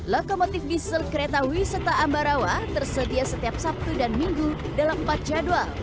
lokomotif diesel kereta wisata ambarawa tersedia setiap sabtu dan minggu dalam empat jadwal